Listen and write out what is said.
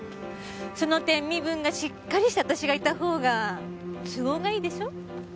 その点身分がしっかりした私がいた方が都合がいいでしょ？